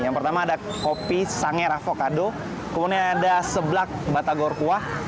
yang pertama ada kopi sangera fokado kemudian ada seblak batagor kuah